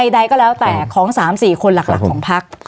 ใดก็แล้วแต่ของ๓๔คนหลักของพัก